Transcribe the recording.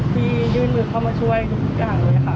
ยื่นมือเข้ามาช่วยทุกอย่างเลยค่ะ